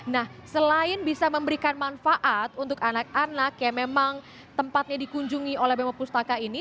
nah selain bisa memberikan manfaat untuk anak anak yang memang tempatnya dikunjungi oleh bemo pustaka ini